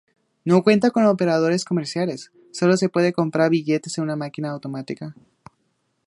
No cuenta con operadores comerciales, solo se pueden comprar billetes en una máquina automática.